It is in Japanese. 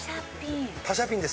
パシャピン。